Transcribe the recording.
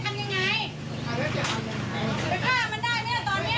ของอยู่ว่าเด็กมันไม่ค่อยเจอไม่ค่อยเจอคนอย่างนี้